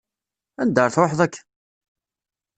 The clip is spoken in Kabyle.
Anda ar ad tṛuḥeḍ akka?